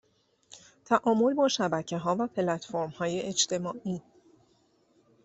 تعامل با شبکهها و پلتفرمهای اجتماعی